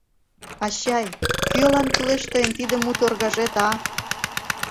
Ачай, кӧлан кӱлеш тыйын тиде муторгажет, а?